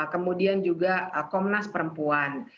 kemudian juga komnas perempuan